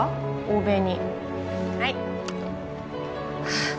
欧米にはいああ